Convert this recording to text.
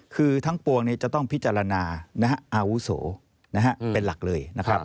คือทั้งปวงจะต้องพิจารณาอาวุโสเป็นหลักเลยนะครับ